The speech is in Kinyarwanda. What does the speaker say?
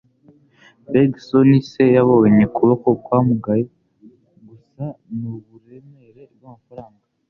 Mbega isoni se yabonye ukuboko kwamugaye gusa nuburemere bwamafaranga.